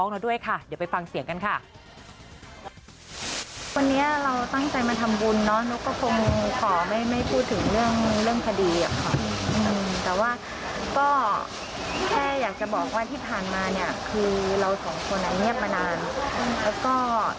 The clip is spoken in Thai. แต่ว่าก็แค่อยากจะบอกว่าที่ผ่านมาเนี่ยคือเราสองคนเงียบมานานแล้วก็